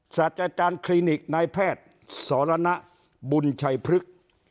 สัจจารย์คลินิกนายแพทย์ศละนะบุญชัยพฤกษ์